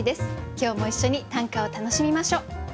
今日も一緒に短歌を楽しみましょう。